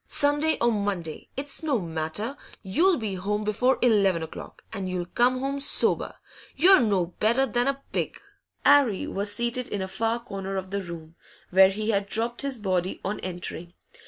'Sunday or Monday, it's no matter; you'll be home before eleven o'clock, and you'll come home sober. You're no better than a pig!' 'Arry was seated in a far corner of the room, where he had dropped his body on entering.